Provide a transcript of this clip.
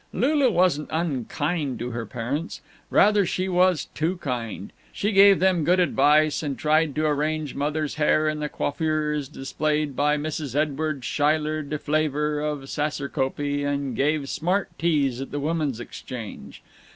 Lulu wasn't unkind to her parents; rather, she was too kind; she gave them good advice and tried to arrange Mother's hair in the coiffures displayed by Mrs. Edward Schuyler Deflaver of Saserkopee, who gave smart teas at the Woman's Exchange.